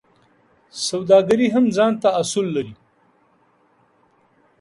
سوداګري هم ځانته اصول لري.